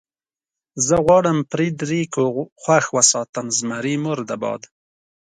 زه غواړم فرېډرېکو خوښ وساتم، زمري مرده باد.